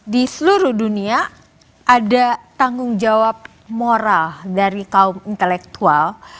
di seluruh dunia ada tanggung jawab moral dari kaum intelektual